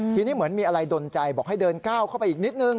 ทีนี้เหมือนมีอะไรดนใจบอกให้เดินก้าวเข้าไปอีกนิดนึง